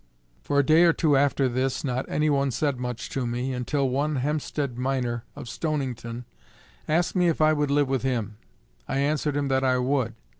For a day or two after this not any one said much to me, until one Hempsted Miner, of Stonington, asked me if I would live with him. I answered him that I would.